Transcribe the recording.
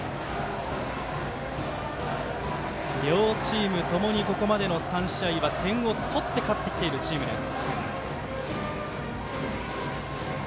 両チームともにここまでの３試合は点を取って勝ってきているチームです。